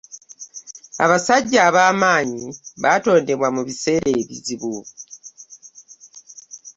Abasajja abaamanyi batondebwa mu biseera ebizibu.